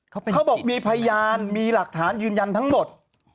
เขาบอกมีพยานมีหลักฐานยืนยันทั้งหมด